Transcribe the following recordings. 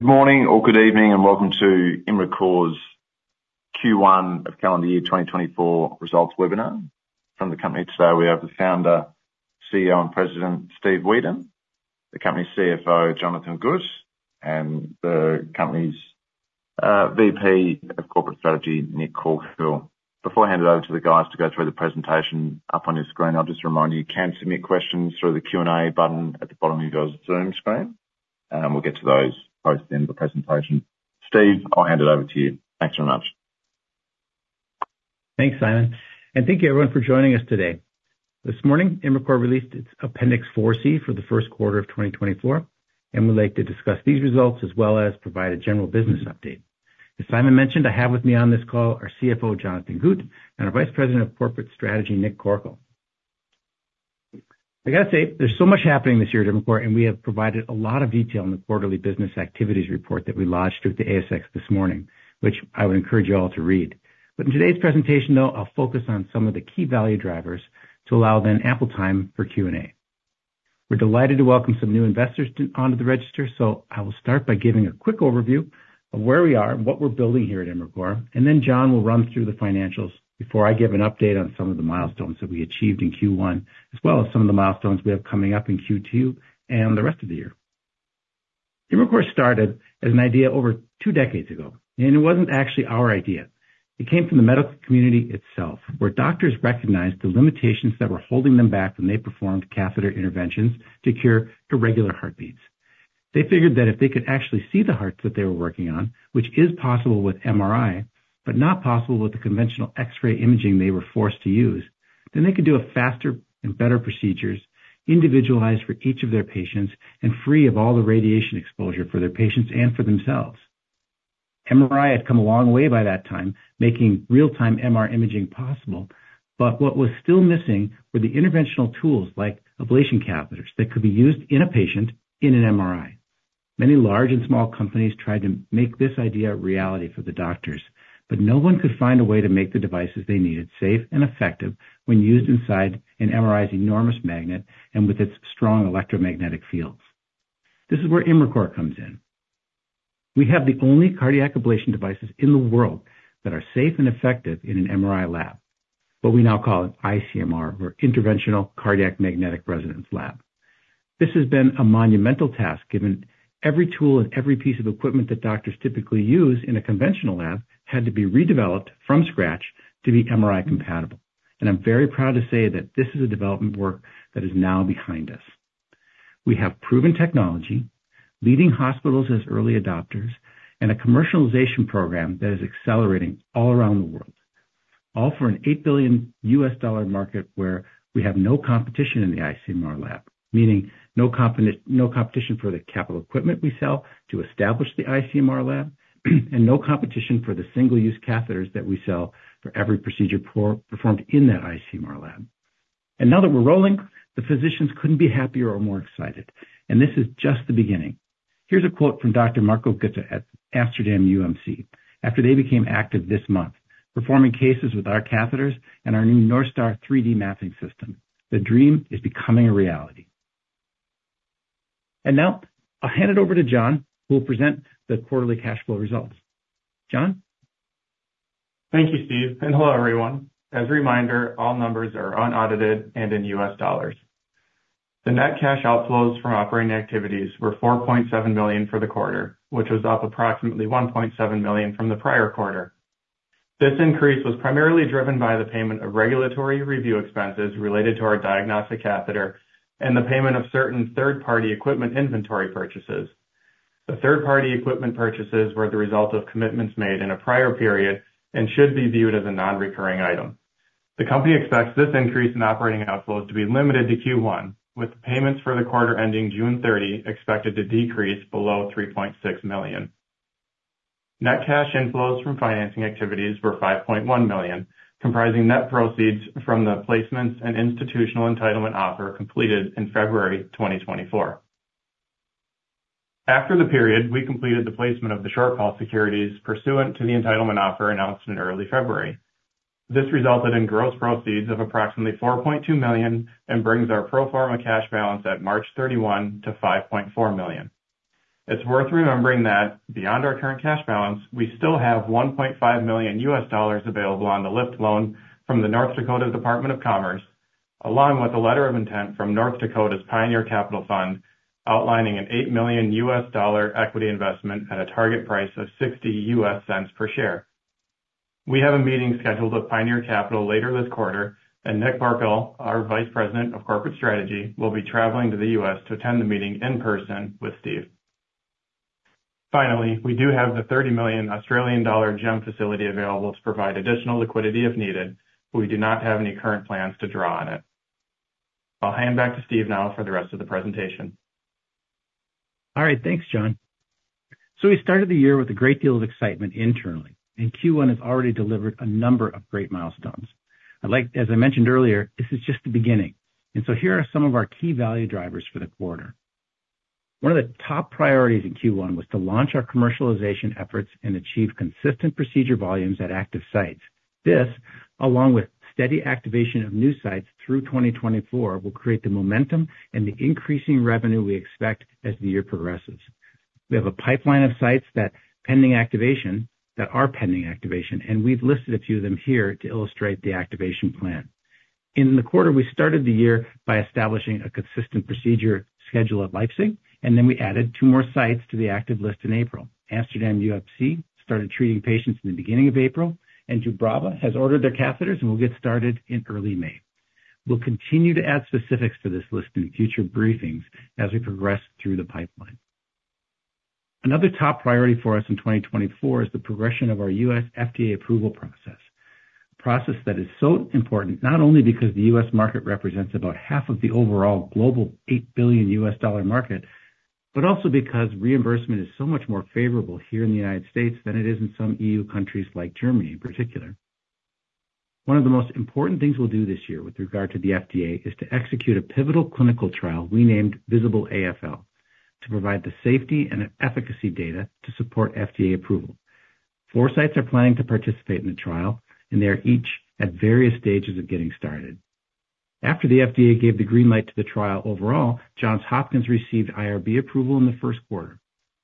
Good morning or good evening, and welcome to Imricor's Q1 of calendar year 2024 results webinar. From the company today, we have the Founder, CEO, and President, Steve Wedan, the company's CFO, Jonathon Gut, and the company's VP of Corporate Strategy, Nick Corkill. Before I hand it over to the guys to go through the presentation up on your screen, I'll just remind you, you can submit questions through the Q&A button at the bottom of your Zoom screen, and we'll get to those towards the end of the presentation. Steve, I'll hand it over to you. Thanks very much. Thanks, Simon, and thank you everyone for joining us today. This morning, Imricor released its Appendix 4C for the first quarter of 2024, and we'd like to discuss these results as well as provide a general business update. As Simon mentioned, I have with me on this call our CFO, Jonathon Gut, and our Vice President of Corporate Strategy, Nick Corkill. I gotta say, there's so much happening this year at Imricor, and we have provided a lot of detail in the quarterly business activities report that we launched with the ASX this morning, which I would encourage you all to read. But in today's presentation, though, I'll focus on some of the key value drivers to allow then ample time for Q&A. We're delighted to welcome some new investors onto the register, so I will start by giving a quick overview of where we are and what we're building here at Imricor, and then John will run through the financials before I give an update on some of the milestones that we achieved in Q1, as well as some of the milestones we have coming up in Q2 and the rest of the year. Imricor started as an idea over two decades ago, and it wasn't actually our idea. It came from the medical community itself, where doctors recognized the limitations that were holding them back when they performed catheter interventions to cure irregular heartbeats. They figured that if they could actually see the hearts that they were working on, which is possible with MRI, but not possible with the conventional x-ray imaging they were forced to use, then they could do a faster and better procedures, individualized for each of their patients and free of all the radiation exposure for their patients and for themselves. MRI had come a long way by that time, making real-time MR imaging possible, but what was still missing were the interventional tools, like ablation catheters, that could be used in a patient in an MRI. Many large and small companies tried to make this idea a reality for the doctors, but no one could find a way to make the devices they needed safe and effective when used inside an MRI's enormous magnet and with its strong electromagnetic fields. This is where Imricor comes in. We have the only cardiac ablation devices in the world that are safe and effective in an MRI lab, what we now call an ICMR, or Interventional Cardiac Magnetic Resonance lab. This has been a monumental task, given every tool and every piece of equipment that doctors typically use in a conventional lab had to be redeveloped from scratch to be MRI compatible. I'm very proud to say that this is a development work that is now behind us. We have proven technology, leading hospitals as early adopters, and a commercialization program that is accelerating all around the world. All for a $8 billion market where we have no competition in the ICMR lab, meaning no competition for the capital equipment we sell to establish the ICMR lab, and no competition for the single-use catheters that we sell for every procedure performed in that ICMR lab. Now that we're rolling, the physicians couldn't be happier or more excited, and this is just the beginning. Here's a quote from Dr. Marco Götte at Amsterdam UMC, after they became active this month, performing cases with our catheters and our new NorthStar 3D mapping system, "The dream is becoming a reality." Now, I'll hand it over to Jon, who will present the quarterly cash flow results. Jon? Thank you, Steve, and hello, everyone. As a reminder, all numbers are unaudited and in U.S. dollars. The net cash outflows from operating activities were $4.7 million for the quarter, which was up approximately $1.7 million from the prior quarter. This increase was primarily driven by the payment of regulatory review expenses related to our diagnostic catheter and the payment of certain third-party equipment inventory purchases. The third-party equipment purchases were the result of commitments made in a prior period and should be viewed as a non-recurring item. The company expects this increase in operating outflows to be limited to Q1, with payments for the quarter ending June 30 expected to decrease below $3.6 million. Net cash inflows from financing activities were $5.1 million, comprising net proceeds from the placements and institutional entitlement offer completed in February 2024. After the period, we completed the placement of the short call securities pursuant to the entitlement offer announced in early February. This resulted in gross proceeds of approximately $4.2 million and brings our pro forma cash balance at March 31 to $5.4 million. It's worth remembering that beyond our current cash balance, we still have $1.5 million U.S. dollars available on the LIFT loan from the North Dakota Department of Commerce, along with a letter of intent from North Dakota's Pioneer Capital Fund, outlining an $8 million U.S. dollar equity investment at a target price of $0.60 per share. We have a meeting scheduled with Pioneer Capital later this quarter, and Nick Corkill, our Vice President of Corporate Strategy, will be traveling to the U.S. to attend the meeting in person with Steve. Finally, we do have the 30 million Australian dollar GEM facility available to provide additional liquidity if needed, but we do not have any current plans to draw on it. I'll hand back to Steve now for the rest of the presentation. All right. Thanks, Jon. So we started the year with a great deal of excitement internally, and Q1 has already delivered a number of great milestones. I'd like, As I mentioned earlier, this is just the beginning, and so here are some of our key value drivers for the quarter. One of the top priorities in Q1 was to launch our commercialization efforts and achieve consistent procedure volumes at active sites. This, along with steady activation of new sites through 2024, will create the momentum and the increasing revenue we expect as the year progresses. We have a pipeline of sites that pending activation, that are pending activation, and we've listed a few of them here to illustrate the activation plan. In the quarter, we started the year by establishing a consistent procedure schedule at Leipzig, and then we added two more sites to the active list in April. Amsterdam UMC started treating patients in the beginning of April, and Dubrava has ordered their catheters and will get started in early May. We'll continue to add specifics to this list in future briefings as we progress through the pipeline. Another top priority for us in 2024 is the progression of our U.S. FDA approval process. A process that is so important, not only because the U.S. market represents about half of the overall global $8 billion market, but also because reimbursement is so much more favorable here in the United States than it is in some E.U. countries, like Germany in particular. One of the most important things we'll do this year with regard to the FDA is to execute a pivotal clinical trial we named VISABL-AFL, to provide the safety and efficacy data to support FDA approval. Four sites are planning to participate in the trial, and they are each at various stages of getting started. After the FDA gave the green light to the trial overall, Johns Hopkins received IRB approval in the first quarter.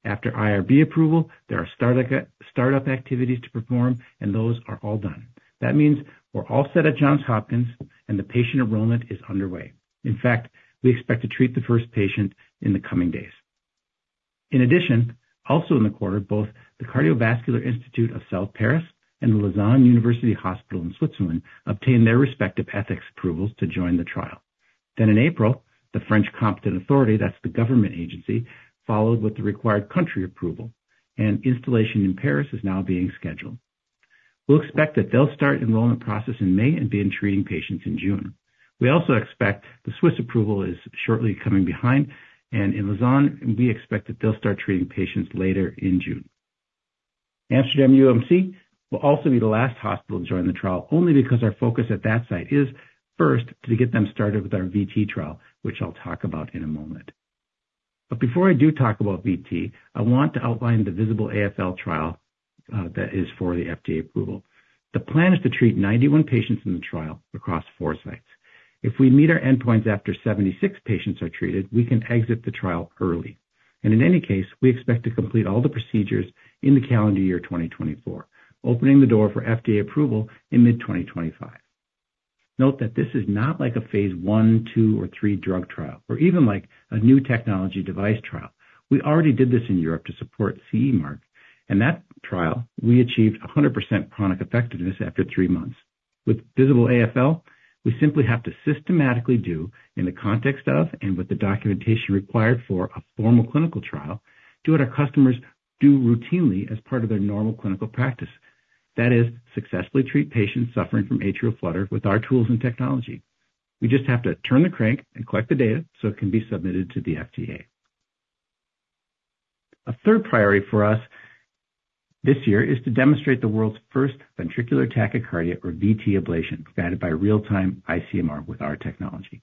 After IRB approval, there are start-up activities to perform, and those are all done. That means we're all set at Johns Hopkins, and the patient enrollment is underway. In fact, we expect to treat the first patient in the coming days. In addition, also in the quarter, both the Cardiovascular Institute of South Paris and the Lausanne University Hospital in Switzerland obtained their respective ethics approvals to join the trial. Then in April, the French competent authority, that's the government agency, followed with the required country approval, and installation in Paris is now being scheduled. We'll expect that they'll start enrollment process in May and be treating patients in June. We also expect the Swiss approval is shortly coming behind, and in Lausanne, we expect that they'll start treating patients later in June. Amsterdam UMC will also be the last hospital to join the trial, only because our focus at that site is first to get them started with our VT trial, which I'll talk about in a moment. But before I do talk about VT, I want to outline the VISABL-AFL trial, that is for the FDA approval. The plan is to treat 91 patients in the trial across four sites. If we meet our endpoints after 76 patients are treated, we can exit the trial early. And in any case, we expect to complete all the procedures in the calendar year 2024, opening the door for FDA approval in mid-2025. Note that this is not like a phase I, two, or three drug trial, or even like a new technology device trial. We already did this in Europe to support CE mark, and that trial, we achieved 100% chronic effectiveness after three months. With VISABL-AFL, we simply have to systematically do in the context of and with the documentation required for a formal clinical trial, do what our customers do routinely as part of their normal clinical practice. That is, successfully treat patients suffering from atrial flutter with our tools and technology. We just have to turn the crank and collect the data so it can be submitted to the FDA. A third priority for us this year is to demonstrate the world's first ventricular tachycardia, or VT ablation, guided by real-time ICMR with our technology.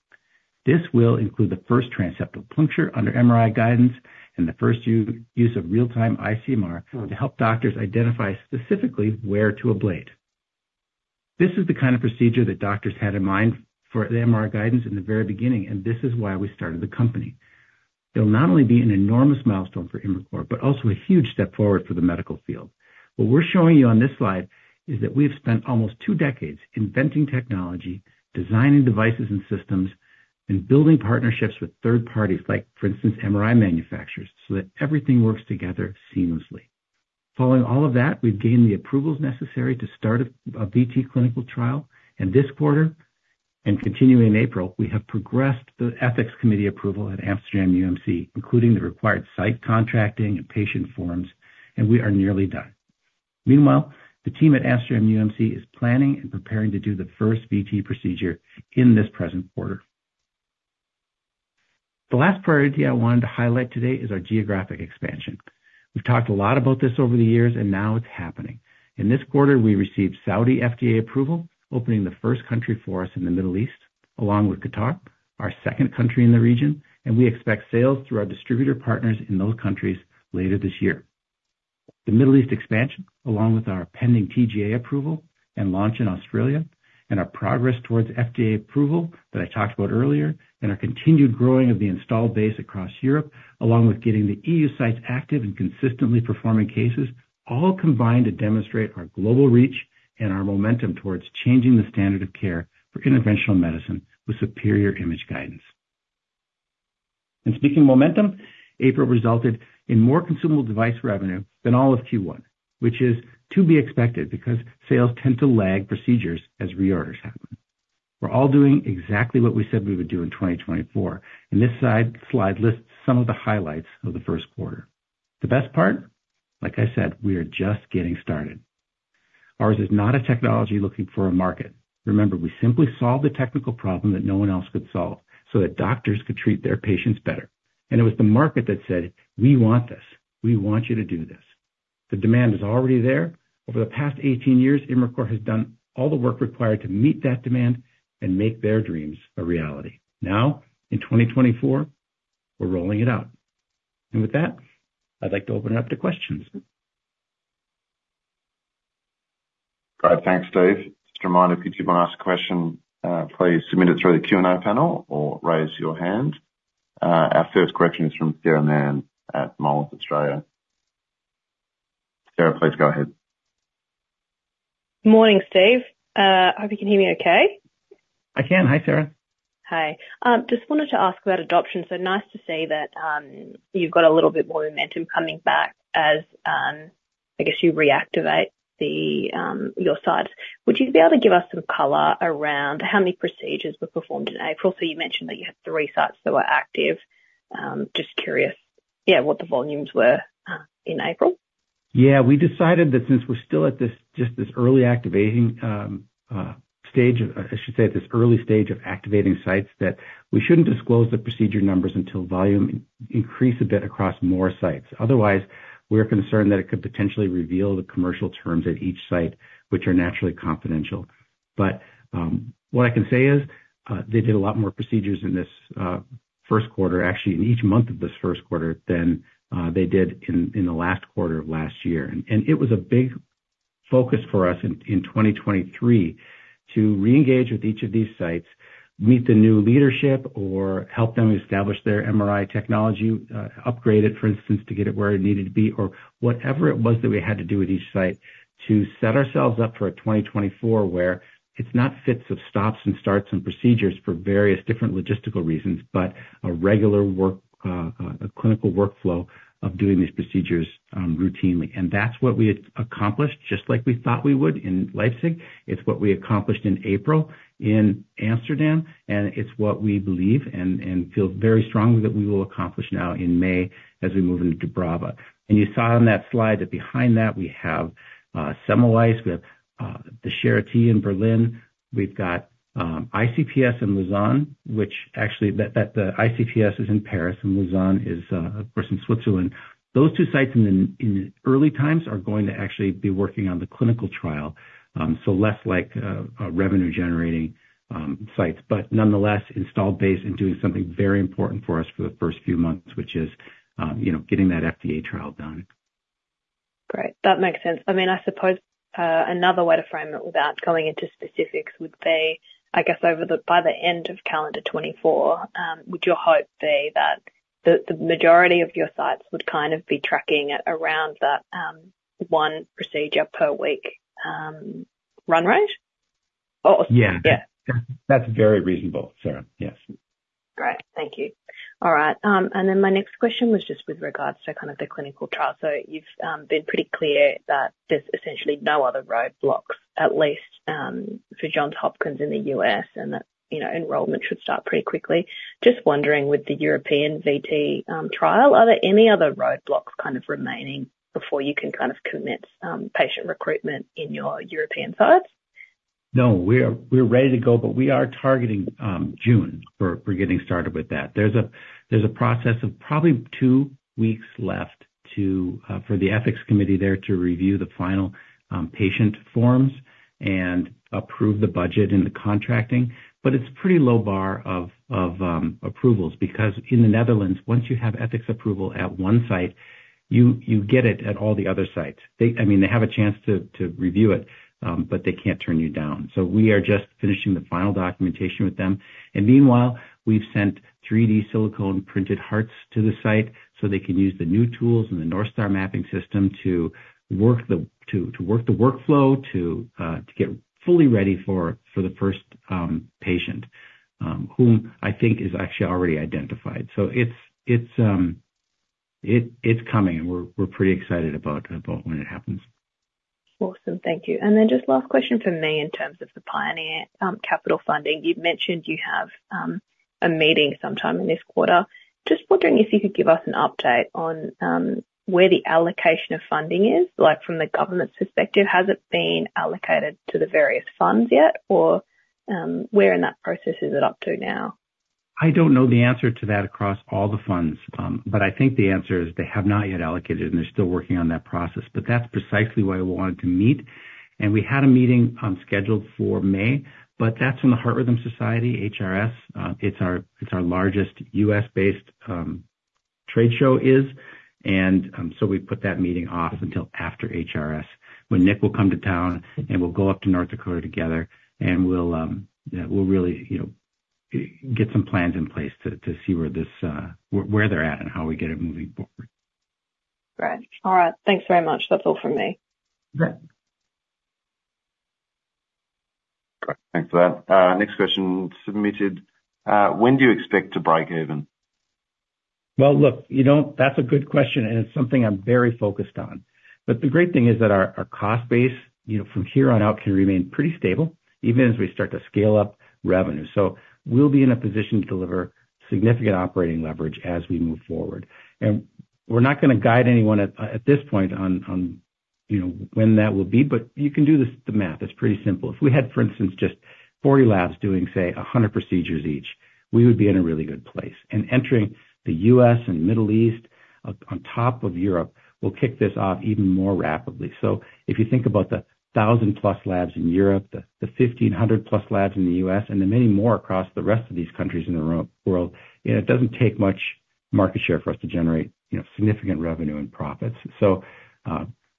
This will include the first transseptal puncture under MRI guidance and the first use of real-time ICMR to help doctors identify specifically where to ablate. This is the kind of procedure that doctors had in mind for the MR guidance in the very beginning, and this is why we started the company. It'll not only be an enormous milestone for Imricor, but also a huge step forward for the medical field. What we're showing you on this slide is that we've spent almost two decades inventing technology, designing devices and systems, and building partnerships with third parties, like, for instance, MRI manufacturers, so that everything works together seamlessly. Following all of that, we've gained the approvals necessary to start a VT clinical trial, and this quarter, and continuing in April, we have progressed the ethics committee approval at Amsterdam UMC, including the required site contracting and patient forms, and we are nearly done. Meanwhile, the team at Amsterdam UMC is planning and preparing to do the first VT procedure in this present quarter. The last priority I wanted to highlight today is our geographic expansion. We've talked a lot about this over the years, and now it's happening. In this quarter, we received Saudi FDA approval, opening the first country for us in the Middle East, along with Qatar, our second country in the region, and we expect sales through our distributor partners in those countries later this year. The Middle East expansion, along with our pending TGA approval and launch in Australia, and our progress towards FDA approval that I talked about earlier, and our continued growing of the installed base across Europe, along with getting the EU sites active and consistently performing cases, all combine to demonstrate our global reach and our momentum towards changing the standard of care for interventional medicine with superior image guidance. And speaking of momentum, April resulted in more consumable device revenue than all of Q1, which is to be expected because sales tend to lag procedures as reorders happen. We're all doing exactly what we said we would do in 2024, and this slide lists some of the highlights of the first quarter. The best part, like I said, we are just getting started. Ours is not a technology looking for a market. Remember, we simply solved a technical problem that no one else could solve so that doctors could treat their patients better. And it was the market that said, "We want this. We want you to do this." The demand is already there. Over the past 18 years, Imricor has done all the work required to meet that demand and make their dreams a reality. Now, in 2024, we're rolling it out. And with that, I'd like to open it up to questions. Great. Thanks, Steve. Just a reminder, if you do want to ask a question, please submit it through the Q&A panel or raise your hand. Our first question is from Sarah Mann at Moelis Australia. Sarah, please go ahead. Morning, Steve. Hope you can hear me okay? I can. Hi, Sarah. Hi. Just wanted to ask about adoption. So nice to see that, you've got a little bit more momentum coming back as, I guess, you reactivate your sites. Would you be able to give us some color around how many procedures were performed in April? So you mentioned that you had three sites that were active. Just curious, yeah, what the volumes were in April. Yeah, we decided that since we're still at this early stage, I should say, at this early stage of activating sites, that we shouldn't disclose the procedure numbers until volume increase a bit across more sites. Otherwise, we're concerned that it could potentially reveal the commercial terms at each site, which are naturally confidential. But, what I can say is, they did a lot more procedures in this first quarter, actually in each month of this first quarter than they did in the last quarter of last year. It was a big focus for us in 2023 to reengage with each of these sites, meet the new leadership, or help them establish their MRI technology, upgrade it, for instance, to get it where it needed to be or whatever it was that we had to do at each site to set ourselves up for a 2024, where it's not fits of stops and starts and procedures for various different logistical reasons, but a regular work, a clinical workflow of doing these procedures, routinely. That's what we had accomplished, just like we thought we would in Leipzig. It's what we accomplished in April in Amsterdam, and it's what we believe and feel very strongly that we will accomplish now in May as we move into Dubrava. You saw on that slide that behind that we have, Semmelweis, we have, the Charité in Berlin, we've got, ICPS in Lausanne, which actually the ICPS is in Paris, and Lausanne is, of course, in Switzerland. Those two sites in the, in the early times are going to actually be working on the clinical trial, so less like, a revenue generating, sites, but nonetheless installed base and doing something very important for us for the first few months, which is, you know, getting that FDA trial done. Great. That makes sense. I mean, I suppose, another way to frame it without going into specifics would be, I guess, over the, by the end of calendar 2024, would your hope be that the majority of your sites would kind of be tracking at around that one procedure per week run rate? Or. Yeah. Yeah. That's very reasonable, Sarah. Yes. Great. Thank you. All right, and then my next question was just with regards to kind of the clinical trial. So you've been pretty clear that there's essentially no other roadblocks, at least, for Johns Hopkins in the U.S., and that, you know, enrollment should start pretty quickly. Just wondering, with the European VT trial, are there any other roadblocks kind of remaining before you can kind of commence patient recruitment in your European sites? No, we are, we're ready to go, but we are targeting June for getting started with that. There's a process of probably two weeks left to for the ethics committee there to review the final patient forms and approve the budget and the contracting. But it's pretty low bar of approvals, because in the Netherlands, once you have ethics approval at one site, you get it at all the other sites. I mean, they have a chance to review it, but they can't turn you down. So we are just finishing the final documentation with them. And meanwhile, we've sent 3D silicone printed hearts to the site so they can use the new tools and the NorthStar Mapping System to work the workflow to get fully ready for the first patient whom I think is actually already identified. So it's coming, and we're pretty excited about when it happens. Awesome. Thank you. And then just last question from me in terms of the Pioneer capital funding. You'd mentioned you have, a meeting sometime in this quarter. Just wondering if you could give us an update on, where the allocation of funding is, like from the government's perspective, has it been allocated to the various funds yet? Or, where in that process is it up to now? I don't know the answer to that across all the funds, but I think the answer is they have not yet allocated, and they're still working on that process. But that's precisely why we wanted to meet. We had a meeting scheduled for May, but that's when the Heart Rhythm Society, HRS, it's our largest US-based trade show, so we put that meeting off until after HRS, when Nick will come to town, and we'll go up to North Dakota together, and we'll yeah, we'll really, you know, get some plans in place to see where this, where they're at, and how we get it moving forward. Great. All right. Thanks very much. That's all from me. Great. Great. Thanks for that. Next question submitted. When do you expect to break even? Well, look, you know, that's a good question, and it's something I'm very focused on. But the great thing is that our cost base, you know, from here on out, can remain pretty stable even as we start to scale up revenue. So we'll be in a position to deliver significant operating leverage as we move forward. And we're not gonna guide anyone at this point on, you know, when that will be, but you can do the math, it's pretty simple. If we had, for instance, just 40 labs doing, say, 100 procedures each, we would be in a really good place. And entering the US and Middle East on top of Europe will kick this off even more rapidly. So if you think about the 1,000+ labs in Europe, the 1,500+ labs in the US, and the many more across the rest of these countries in the world, and it doesn't take much market share for us to generate, you know, significant revenue and profits. So,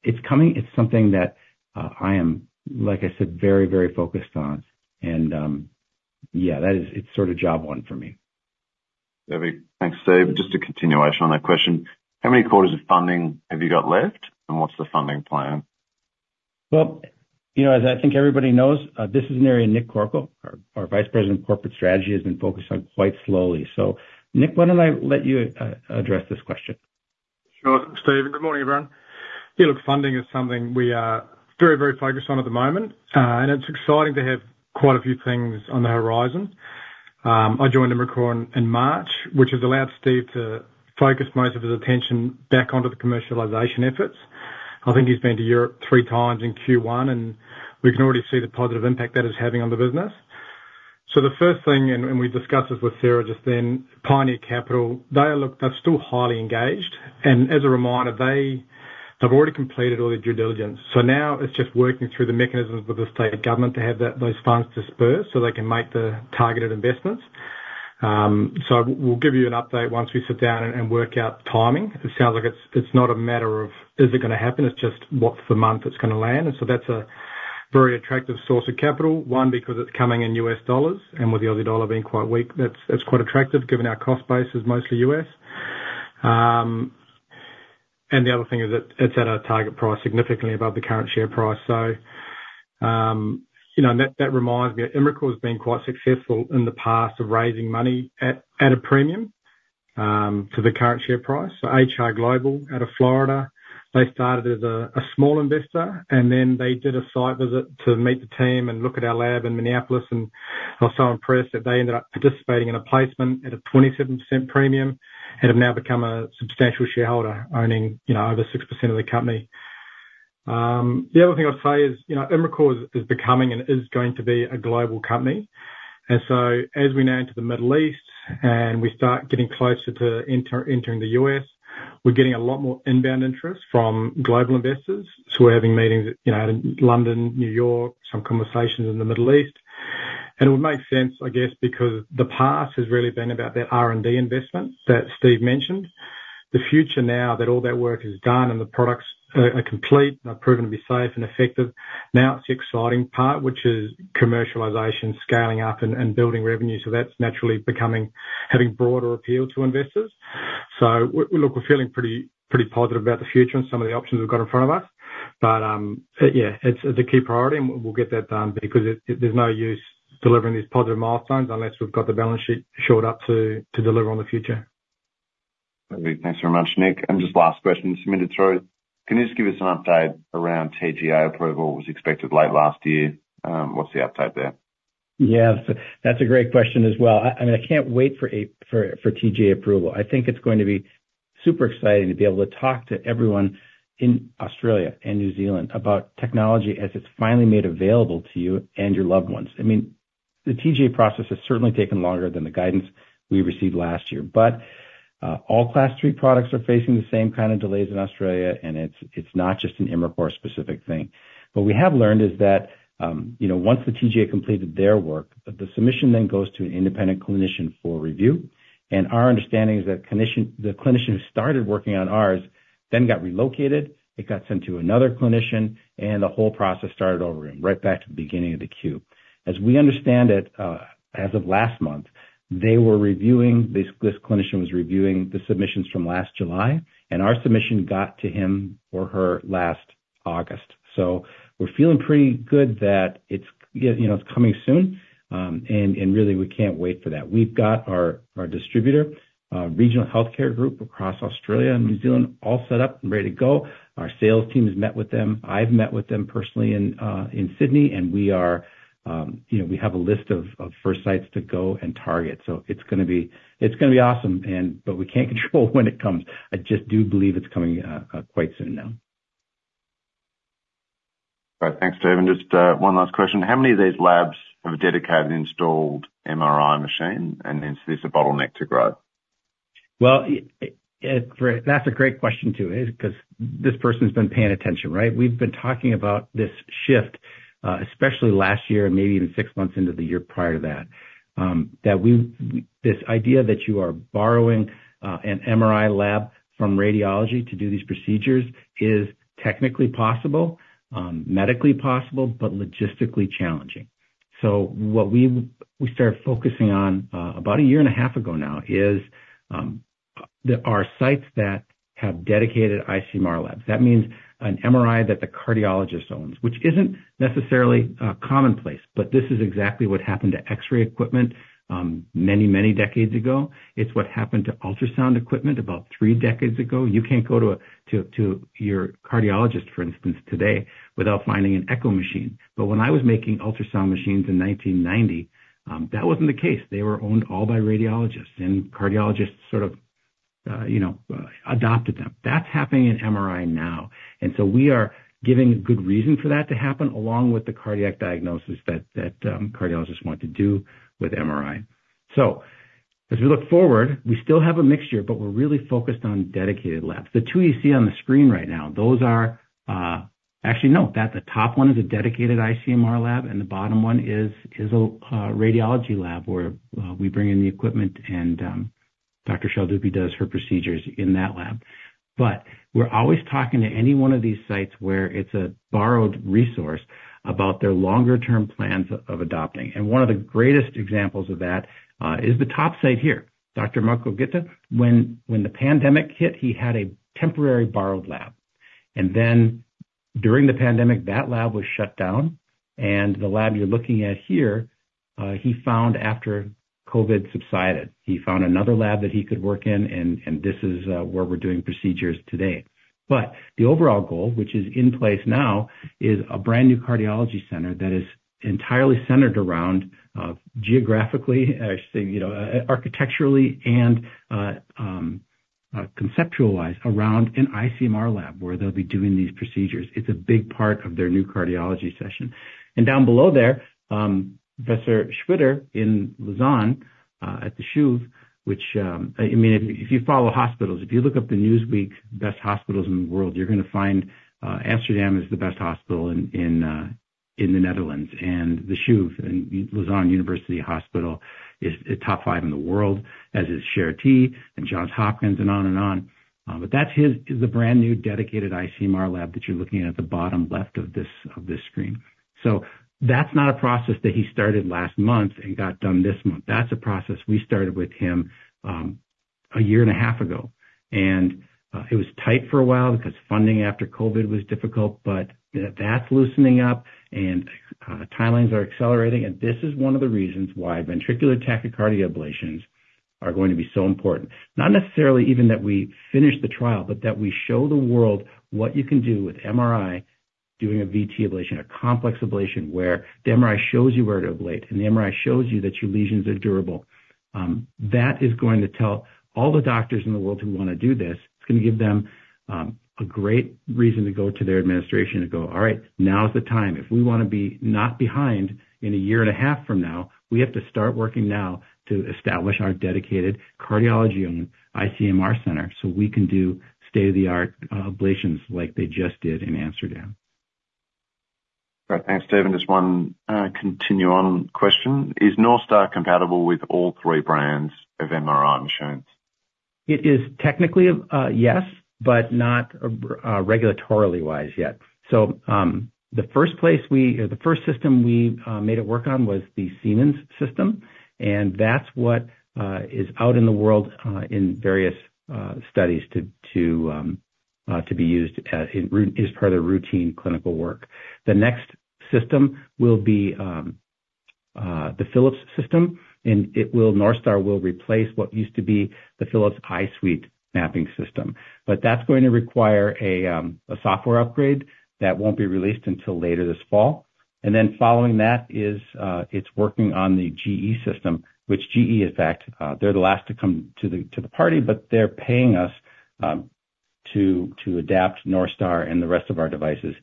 it's coming. It's something that I am, like I said, very, very focused on. And, yeah, that is. It's sort of job one for me. Perfect. Thanks, Steve. Just a continuation on that question. How many quarters of funding have you got left, and what's the funding plan? Well, you know, as I think everybody knows, this is an area Nick Corkill, our Vice President of Corporate Strategy, has been focused on quite slowly. So Nick, why don't I let you address this question? Sure, Steve, and good morning, everyone. Yeah, look, funding is something we are very, very focused on at the moment, and it's exciting to have quite a few things on the horizon. I joined Imricor in March, which has allowed Steve to focus most of his attention back onto the commercialization efforts. I think he's been to Europe three times in Q1, and we can already see the positive impact that is having on the business. So the first thing, and we discussed this with Sarah just then, Pioneer Capital, they're still highly engaged. And as a reminder, they have already completed all their due diligence. So now it's just working through the mechanisms with the state government to have that, those funds disbursed so they can make the targeted investments. So we'll give you an update once we sit down and work out the timing. It sounds like it's not a matter of is it gonna happen? It's just, what's the month it's gonna land? And so that's a very attractive source of capital. One, because it's coming in U.S. dollars, and with the AUD being quite weak, that's, it's quite attractive, given our cost base is mostly U.S. And the other thing is that it's at a target price significantly above the current share price. So, you know, and that reminds me, Imricor has been quite successful in the past of raising money at a premium to the current share price. So HR Global, out of Florida, they started as a small investor, and then they did a site visit to meet the team and look at our lab in Minneapolis, and they were so impressed that they ended up participating in a placement at a 27% premium and have now become a substantial shareholder, owning, you know, over 6% of the company. The other thing I'd say is, you know, Imricor is becoming and is going to be a global company. And so as we now enter the Middle East and we start getting closer to entering the U.S., we're getting a lot more inbound interest from global investors. So we're having meetings, you know, out in London, New York, some conversations in the Middle East. It would make sense, I guess, because the past has really been about that R&D investment that Steve mentioned. The future now that all that work is done and the products are complete and are proven to be safe and effective, now it's the exciting part, which is commercialization, scaling up, and building revenue. So that's naturally becoming, having broader appeal to investors. So look, we're feeling pretty, pretty positive about the future and some of the options we've got in front of us. But yeah, it's a key priority, and we'll get that done because there's no use delivering these positive milestones unless we've got the balance sheet shored up to deliver on the future. Thanks very much, Nick. And just last question, just to throw. Can you just give us an update around TGA approval? It was expected late last year. What's the update there? Yeah, so that's a great question as well. I mean, I can't wait for TGA approval. I think it's going to be super exciting to be able to talk to everyone in Australia and New Zealand about technology as it's finally made available to you and your loved ones. I mean, the TGA process has certainly taken longer than the guidance we received last year, but all Class III products are facing the same kind of delays in Australia, and it's not just an Imricor-specific thing. What we have learned is that, you know, once the TGA completed their work, the submission then goes to an independent clinician for review. Our understanding is that clinician, the clinician who started working on ours then got relocated, it got sent to another clinician, and the whole process started over again, right back to the beginning of the queue. As we understand it, as of last month, they were reviewing. This clinician was reviewing the submissions from last July, and our submission got to him or her last August. So we're feeling pretty good that it's, you know, it's coming soon, and really we can't wait for that. We've got our, our distributor, Regional Healthcare Group, across Australia and New Zealand, all set up and ready to go. Our sales team has met with them. I've met with them personally in Sydney, and we are, you know, we have a list of first sites to go and target. So it's gonna be. It's gonna be awesome and, but we can't control when it comes. I just do believe it's coming quite soon now. Great. Thanks, Steve. And just, one last question. How many of these labs have a dedicated installed MRI machine, and is this a bottleneck to growth? Well, that's a great question, too, isn't it? Because this person's been paying attention, right? We've been talking about this shift, especially last year and maybe even six months into the year prior to that, this idea that you are borrowing an MRI lab from radiology to do these procedures is technically possible, medically possible, but logistically challenging. So what we started focusing on about a year and a half ago now is there are sites that have dedicated ICMR labs. That means an MRI that the cardiologist owns, which isn't necessarily commonplace, but this is exactly what happened to x-ray equipment many, many decades ago. It's what happened to ultrasound equipment about three decades ago. You can't go to your cardiologist, for instance, today, without finding an echo machine. But when I was making ultrasound machines in 1990, that wasn't the case. They were owned all by radiologists, and cardiologists sort of, you know, adopted them. That's happening in MRI now, and so we are giving good reason for that to happen, along with the cardiac diagnosis that cardiologists want to do with MRI. So as we look forward, we still have a mixture, but we're really focused on dedicated labs. The two you see on the screen right now, those are. Actually, no, the top one is a dedicated ICMR lab, and the bottom one is a radiology lab, where we bring in the equipment and Dr. Schaldoupi does her procedures in that lab. But we're always talking to any one of these sites where it's a borrowed resource about their longer term plans of adopting. And one of the greatest examples of that is the top site here. Dr. Marco Götte, when the pandemic hit, he had a temporary borrowed lab, and then during the pandemic, that lab was shut down, and the lab you're looking at here, he found after COVID subsided. He found another lab that he could work in, and this is where we're doing procedures today. But the overall goal, which is in place now, is a brand new cardiology center that is entirely centered around, geographically, I should say, you know, architecturally and conceptualized around an ICMR lab, where they'll be doing these procedures. It's a big part of their new cardiology session. And down below there, Professor Schwitter in Lausanne, at the CHUV, which. I mean, if you follow hospitals, if you look up the Newsweek best hospitals in the world, you're gonna find, Amsterdam is the best hospital in, in, in the Netherlands, and the CHUV in Lausanne University Hospital is a top five in the world, as is Charité and Johns Hopkins, and on and on. But that's his, is a brand new dedicated ICMR lab that you're looking at the bottom left of this, of this screen. So that's not a process that he started last month and got done this month. That's a process we started with him, a year and a half ago. And, it was tight for a while because funding after COVID was difficult, but that's loosening up and, timelines are accelerating. And this is one of the reasons why ventricular tachycardia ablations are going to be so important. Not necessarily even that we finish the trial, but that we show the world what you can do with MRI doing a VT ablation, a complex ablation, where the MRI shows you where to ablate, and the MRI shows you that your lesions are durable. That is going to tell all the doctors in the world who want to do this, it's gonna give them a great reason to go to their administration and go, "All right, now is the time. If we wanna be not behind in a year and a half from now, we have to start working now to establish our dedicated cardiology and ICMR center, so we can do state-of-the-art ablations like they just did in Amsterdam. Great. Thanks, Steve. Just one continue on question. Is NorthStar compatible with all three brands of MRI machines? It is technically yes, but not regulatorily wise yet. So, the first system we made it work on was the Siemens system, and that's what is out in the world in various studies to be used as part of their routine clinical work. The next system will be the Philips system, and NorthStar will replace what used to be the Philips iSuite mapping system. But that's going to require a software upgrade that won't be released until later this fall. And then following that is it's working on the GE system, which GE, in fact, they're the last to come to the party, but they're paying us to adapt NorthStar and the rest of our devices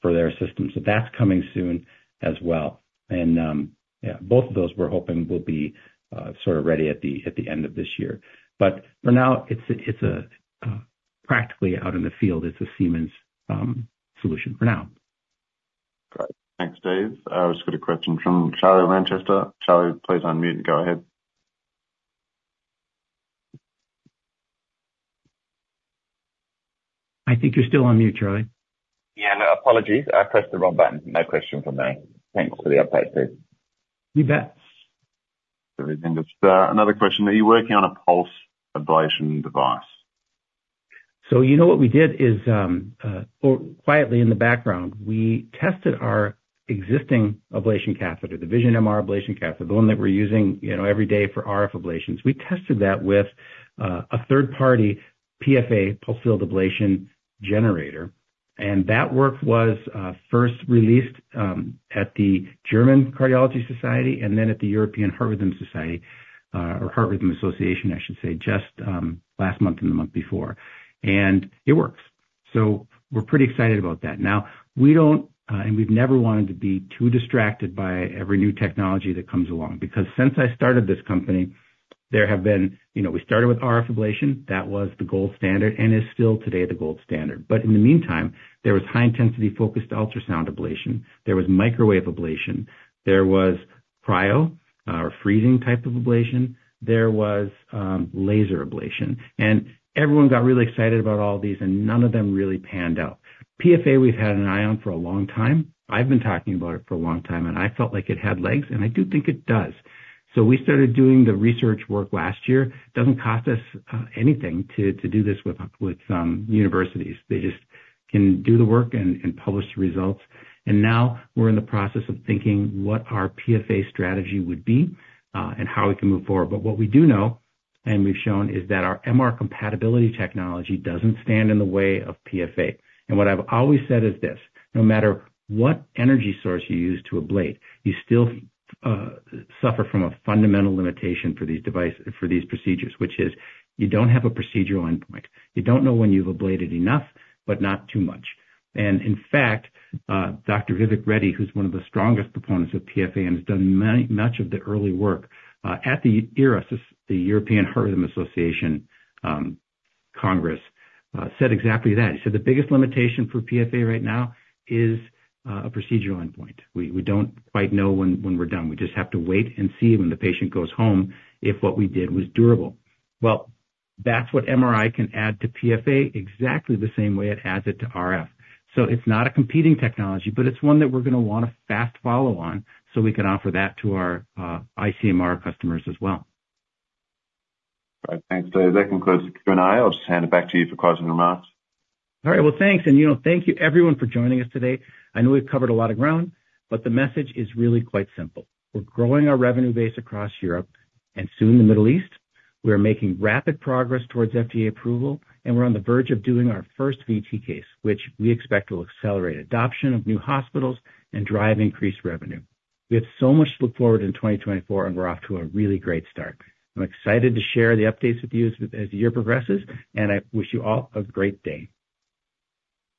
for their system. That's coming soon as well. Yeah, both of those we're hoping will be sort of ready at the end of this year. But for now, it's practically out in the field, it's a Siemens solution for now. Great. Thanks, Dave. I've just got a question from Charlie Manchester. Charlie, please unmute and go ahead. I think you're still on mute, Charlie. Yeah, apologies. I pressed the wrong button. No question from me. Thanks for the update, Steve. You bet. Everything is, another question. Are you working on a pulse ablation device? So you know what we did is, quietly in the background, we tested our existing ablation catheter, the Vision-MR Ablation Catheter, the one that we're using, you know, every day for RF ablations. We tested that with a third-party PFA, pulsed field ablation, generator, and that work was first released at the German Cardiology Society and then at the European Heart Rhythm Society, or Heart Rhythm Association, I should say, just last month and the month before. And it works. So we're pretty excited about that. Now, we don't, and we've never wanted to be too distracted by every new technology that comes along, because since I started this company, there have been, you know, we started with RF ablation. That was the gold standard and is still today the gold standard. But in the meantime, there was high intensity focused ultrasound ablation, there was microwave ablation, there was cryo, or freezing type of ablation, there was laser ablation. And everyone got really excited about all these, and none of them really panned out. PFA, we've had an eye on for a long time. I've been talking about it for a long time, and I felt like it had legs, and I do think it does. So we started doing the research work last year. Doesn't cost us anything to do this with universities. They just can do the work and publish the results. And now we're in the process of thinking what our PFA strategy would be, and how we can move forward. But what we do know, and we've shown, is that our MR compatibility technology doesn't stand in the way of PFA. And what I've always said is this, no matter what energy source you use to ablate, you still suffer from a fundamental limitation for these procedures, which is you don't have a procedural endpoint. You don't know when you've ablated enough, but not too much. And in fact, Dr. Vivek Reddy, who's one of the strongest proponents of PFA and has done much of the early work at the EHRA, the European Heart Rhythm Association Congress, said exactly that. He said, "The biggest limitation for PFA right now is a procedural endpoint. We don't quite know when we're done. We just have to wait and see when the patient goes home, if what we did was durable." Well, that's what MRI can add to PFA, exactly the same way it adds it to RF. So it's not a competing technology, but it's one that we're gonna want to fast follow on, so we can offer that to our ICMR customers as well. Great. Thanks, Dave. That concludes the Q&A. I'll just hand it back to you for closing remarks. All right. Well, thanks. You know, thank you everyone for joining us today. I know we've covered a lot of ground, but the message is really quite simple. We're growing our revenue base across Europe and soon the Middle East. We are making rapid progress towards FDA approval, and we're on the verge of doing our first VT case, which we expect will accelerate adoption of new hospitals and drive increased revenue. We have so much to look forward to in 2024, and we're off to a really great start. I'm excited to share the updates with you as the year progresses, and I wish you all a great day.